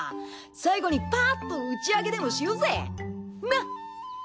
最後にパーッと打ち上げでもしようぜなっ。